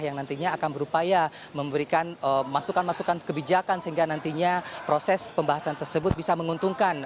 yang nantinya akan berupaya memberikan masukan masukan kebijakan sehingga nantinya proses pembahasan tersebut bisa menguntungkan